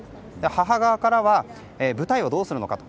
母側からは舞台をどうするのかと。